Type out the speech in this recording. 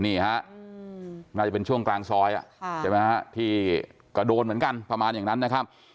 นี่ฮะน่าจะเป็นช่วงกลางซอยใช่ไหมฮะที่ก็โดนเหมือนกันประมาณอย่างนั้นนะครับ